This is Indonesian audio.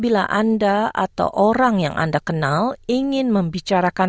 bila anda atau orang yang anda kenal ingin membicarakan